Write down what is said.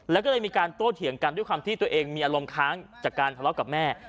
แล้วก็เลยมีการโต้เถียงกันด้วยความที่ตัวเองมีอารมณ์ค้างจากการทะเลาะกับแม่